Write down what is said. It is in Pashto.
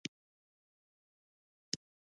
د عنصرونو دوراني جدول څو ګروپونه او څو دورې لري؟